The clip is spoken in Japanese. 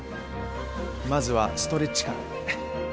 まずはストレッチから。